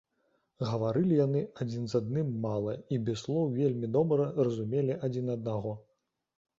Гаварылі яны адзін з адным мала і без слоў вельмі добра разумелі адзін аднаго.